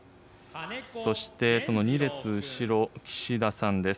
そして、その２列後ろ、岸田さんです。